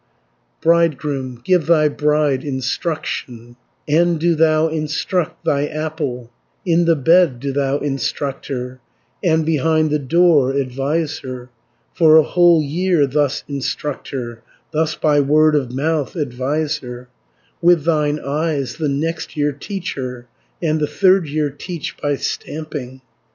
210 "Bridegroom, give thy bride instruction, And do thou instruct thy apple, In the bed do thou instruct her, And behind the door advise her, For a whole year thus instruct her, Thus by word of mouth advise her, With thine eyes the next year teach her, And the third year teach by stamping.